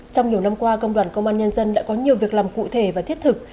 trong nhiều năm qua công đoàn công an nhân dân đã có nhiều việc làm cụ thể và thiết thực